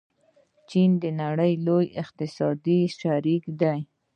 چین د نړۍ لوی اقتصادي شریک دی.